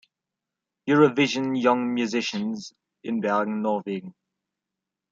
Eurovision Young Musicians in Bergen, Norwegen.